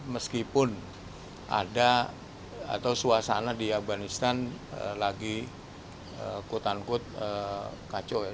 meskipun ada atau suasana di afganistan lagi kut an kut kacau